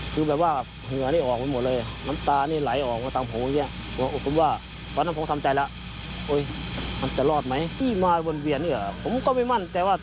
คิดแบบว่าเหงือนี่ออกมาหมดเลย